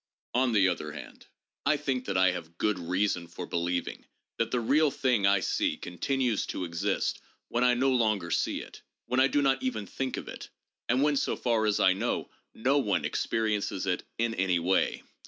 On the other hand, I think that I have good reason for believing that the real thing I see continues to exist when I no longer see it, when I do not even think of it, and when so far as I know no one experiences it in any way.